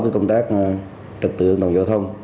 cái công tác trật tự an toàn giao thông